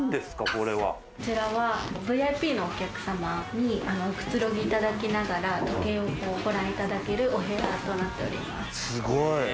こちらはＶＩＰのお客様に、おくつろぎいただきながら時計をご覧いただけるお部屋となっています。